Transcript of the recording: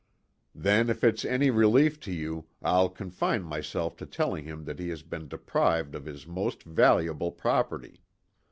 "Then, if it's any relief to you, I'll confine myself to telling him that he has been deprived of his most valuable property.